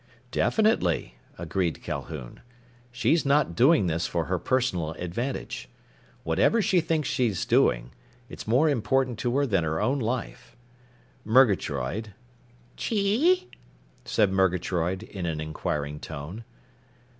"Definitely," agreed Calhoun. "She's not doing this for her personal advantage. Whatever she thinks she'd doing, it's more important to her than her own life. Murgatroyd...." "Chee?" said Murgatroyd in an inquiring tone.